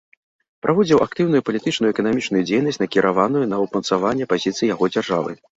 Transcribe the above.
Праводзіў актыўную палітычную і эканамічную дзейнасць, накіраваную на ўмацаванне пазіцый яго дзяржавы.